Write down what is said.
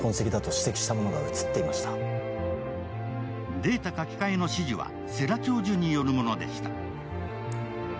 データ書き換えの指示は世良教授によるものでした。